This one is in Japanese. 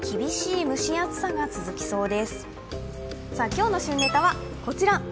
今日の旬ネタはこちら。